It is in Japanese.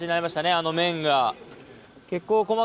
あの麺が。